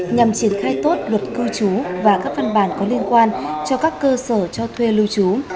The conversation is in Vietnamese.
nhằm triển khai tốt luật cư trú và các văn bản có liên quan cho các cơ sở cho thuê lưu trú